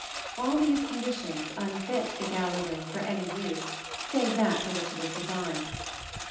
All these conditions unfit the gala room for any use save that for which it is designed.